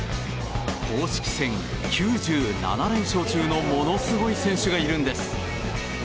公式戦９７連勝中のものすごい選手がいるんです。